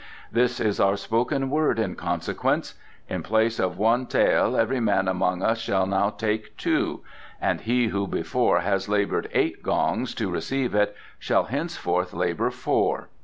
This is our spoken word in consequence: in place of one tael every man among us shall now take two, and he who before has laboured eight gongs to receive it shall henceforth labour four.